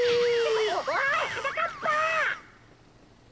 おいはなかっぱ！